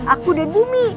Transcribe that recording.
aku dan bumi